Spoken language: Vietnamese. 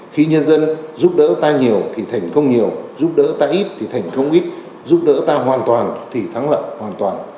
khi nhân dân giúp đỡ ta nhiều thì thành công nhiều giúp đỡ ta ít thì thành công ít giúp đỡ ta hoàn toàn thì thắng lợi hoàn toàn